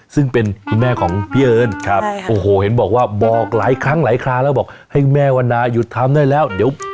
ซึ่งเป็นที่แม่ของเบลครับโดยเห็นบอกว่าบอกหลายคางหลายคราแล้วบอกให้แม่วันนาหยุดทำได้แล้ว